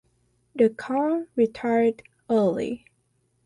The car retired early.